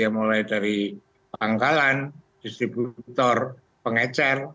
mulai dari pangkalan distributor pengecer